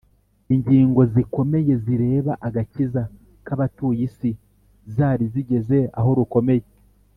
ingingo zikomeye zireba agakiza k’abatuye isi zari zigeze aho rukomeye